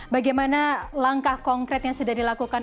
bagaimana langkah konkret yang sudah dilakukan